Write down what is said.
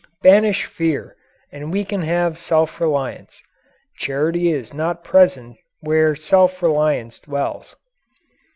Banish fear and we can have self reliance. Charity is not present where self reliance dwells.